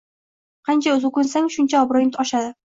Qancha so`kinsang shuncha obro`ying oshadi